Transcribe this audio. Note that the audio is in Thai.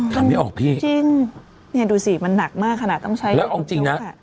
จริงดูสิมันหนักมากขนาดต้องใช้แล้วเอาจริงนะ